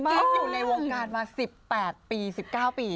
พี่กิ๊กอยู่ในวงการมา๑๘ปี๑๙ปี